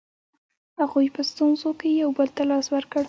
هغوی په ستونزو کې یو بل ته لاس ورکړ.